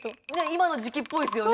今の時期っぽいですよね。